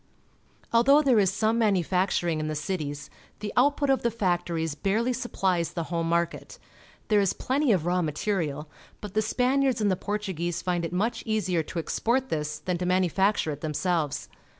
Although there is some manufacturing in the cities, the output of the factories barely supplies the home market. There is plenty of raw material, but the Spaniards and the Portuguese find it much easier to export this than to manufacture it themselves.